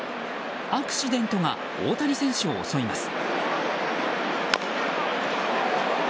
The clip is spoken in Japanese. アクシデントが大谷選手を襲います。